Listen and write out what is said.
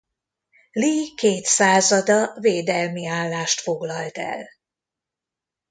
Lee két százada védelmi állást foglalt el.